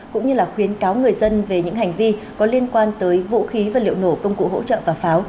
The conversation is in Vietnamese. cũng như là khuyến cáo người dân về những hành vi có liên quan tới vũ khí và liệu nổ công cụ hỗ trợ và pháo